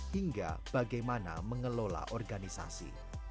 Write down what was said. hingga bagaimana mengelola organisasi